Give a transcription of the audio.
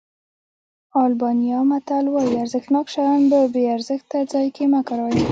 آلبانیا متل وایي ارزښتناک شیان په بې ارزښته ځای کې مه کاروئ.